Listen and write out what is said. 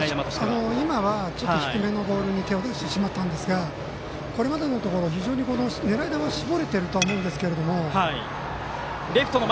今は、ちょっと低めのボールに手を出してしまったんですがこれまでのところ非常に狙い球を絞れているとは思うんですけど。